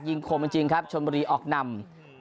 คมจริงครับชนบุรีออกนำ